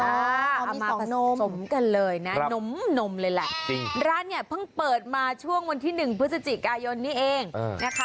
เอามาสมกันเลยนะนมนมเลยแหละจริงร้านเนี่ยเพิ่งเปิดมาช่วงวันที่๑พฤศจิกายนนี้เองนะคะ